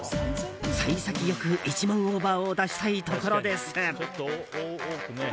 幸先よく、１万オーバーを出したいところです。